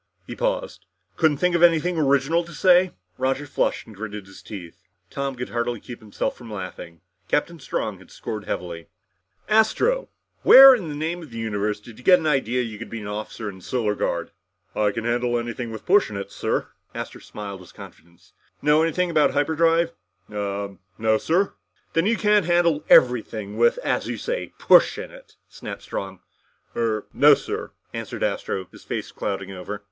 He paused. "Couldn't you think of anything original to say?" Roger flushed and gritted his teeth. Tom could hardly keep himself from laughing. Captain Strong had scored heavily! The Solar Guard officer then turned his attention to Astro. "Astro, where in the name of the universe did you get the idea you could be an officer in the Solar Guard?" "I can handle anything with push in it, sir!" Astro smiled his confidence. "Know anything about hyperdrive?" "Uhh no, sir." "Then you can't handle everything with, as you say, push in it!" snapped Strong. "Er no, sir," answered Astro, his face clouding over.